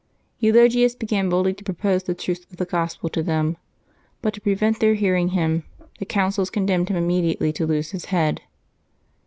Eulogius began boldly to propose the truths of the Gospel to them. But, to prevent their hearing him, the council condemned him immediately to lose his head.